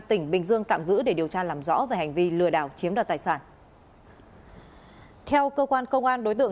thì việc nâng cao ý thức cảnh giác của người dân